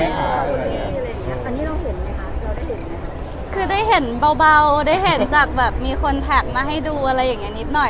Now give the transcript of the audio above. อันนี้เราเห็นไหมคะเราได้เห็นไหมคะคือได้เห็นเบาเบาได้เห็นจากแบบมีคนแท็กมาให้ดูอะไรอย่างเงี้ยนิดหน่อย